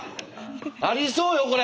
ありそうよこれ！